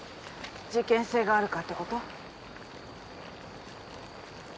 事件性があるかってこと？